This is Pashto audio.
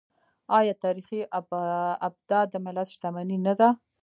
آیا تاریخي ابدات د ملت شتمني نه ده؟